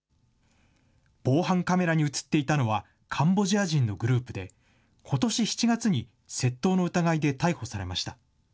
防犯カメラに写っていたのは、カンボジア人のグループで、ことし７月に窃盗の疑いで逮捕されました。